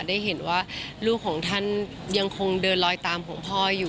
ได้เห็นว่าลูกของท่านยังคงเดินลอยตามของพ่ออยู่